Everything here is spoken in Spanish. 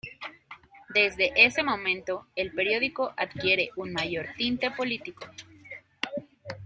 Desde ese momento, el periódico adquiere un mayor tinte político.